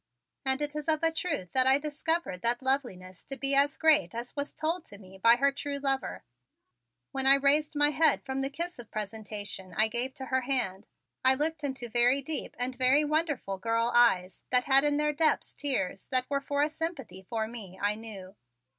And it is of a truth that I discovered that loveliness to be as great as was told to me by her true lover. When I raised my head from the kiss of presentation I gave to her hand I looked into very deep and very wonderful girl eyes that had in their depths tears that were for a sympathy for me, I knew.